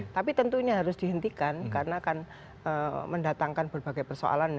tapi tentunya harus dihentikan karena akan mendatangkan berbagai persoalan